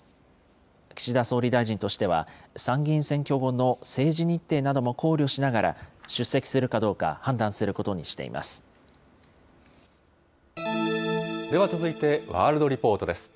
岸田総理大臣としては、参議院選挙後の政治日程なども考慮しながら、出席するかどうか判では続いて、ワールドリポートです。